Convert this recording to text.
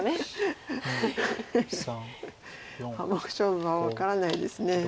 半目勝負は分からないです。